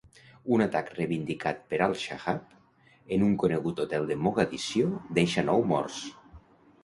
Un atac reivindicat per Al-Shabab en un conegut hotel de Mogadiscio deixa nou morts